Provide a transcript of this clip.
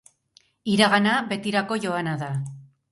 Iragana betirako joana da.